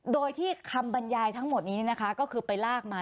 โดยที่คำบรรยายทั้งหมดนี้นะคะก็คือไปลากมา